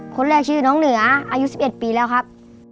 คนแรกชื่อน้องเหนืออายุ๑๑ปีแล้วครับ